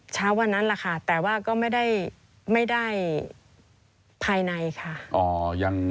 เช้าวันนั้นแหละค่ะแต่ว่าก็ไม่ได้ภายในค่ะ